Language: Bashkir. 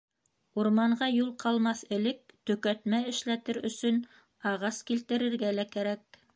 Урманға юл ҡалмаҫ элек төкәтмә эшләтер өсөн ағас килтерергә лә кәрәк.